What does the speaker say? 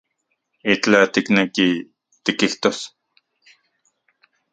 ¿Itlaj tikneki tikijtos?